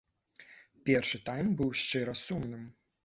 Першы тайм быў шчыра сумным.